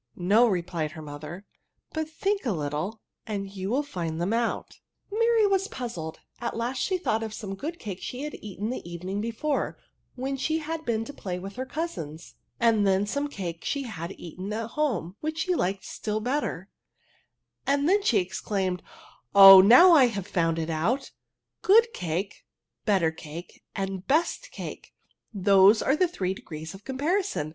'*" No," replied her mother ;" but think a little, and you will find them out." Mary was puzzled; at last she thought of some good cake she had eaten the evening before, when she had been to play with her cousins, and then of some cake she had eaten at home, which she liked still better ; and she then exclaimed, <^ Oh, now I have ADJECnVESV SS found it out» — good cake, better cake, and best cake, those are the three degrees of comparison.